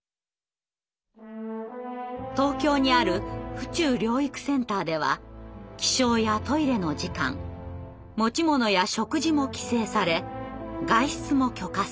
東京にある「府中療育センター」では起床やトイレの時間持ち物や食事も規制され外出も許可制。